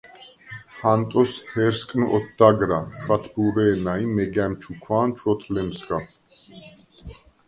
ჰანტოს ჰერსკნ ოთდაგრა, ჩვათბურე̄ნა ი მეგა̈მ ჩუქვა̄ნ ჩვოთლემსგა.